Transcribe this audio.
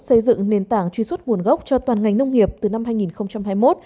xây dựng nền tảng truy xuất nguồn gốc cho toàn ngành nông nghiệp từ năm hai nghìn hai mươi một